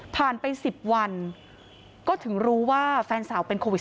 ไป๑๐วันก็ถึงรู้ว่าแฟนสาวเป็นโควิด๑